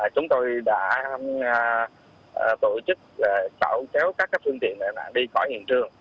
chúng tôi đã tổ chức xảo chéo các phương tiện đi khỏi hiện trường